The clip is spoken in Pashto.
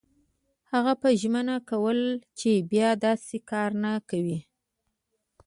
هغه به ژمنه کوله چې بیا داسې کار نه کوي.